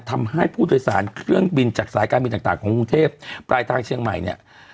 ทำให้ผู้โดยสารเครื่องบินจากสายการบินต่างของกรุงเทพปลายทางเชียงใหม่เนี่ย